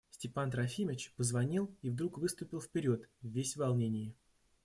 Степан Трофимович позвонил и вдруг выступил вперед, весь в волнении.